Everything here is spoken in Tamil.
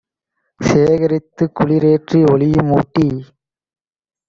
சேகரித்துக் குளிரேற்றி ஒளியும் ஊட்டி